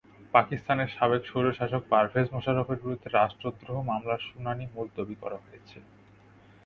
পাকিস্তানের সাবেক স্বৈরশাসক পারভেজ মোশাররফের বিরুদ্ধে রাষ্ট্রদ্রোহ মামলার শুনানি মুলতবি করা হয়েছে।